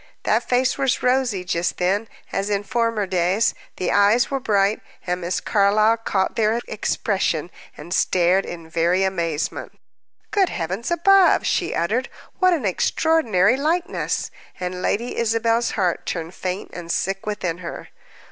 That face was rosy just then, as in former days, the eyes were bright, and Miss Carlyle caught their expression, and stared in very amazement. "Good heavens above," she uttered, "what an extraordinary likeness!" And Lady Isabel's heart turned faint and sick within her.